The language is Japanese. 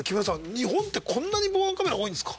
日本ってこんなに防犯カメラ多いんですか？